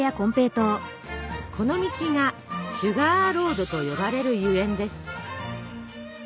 この道が「シュガーロード」と呼ばれるゆえんです。